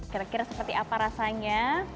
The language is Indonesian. kira kira seperti apa rasanya